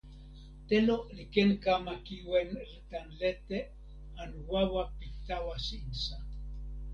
telo li ken kama kiwen tan lete anu wawa pi tawa insa.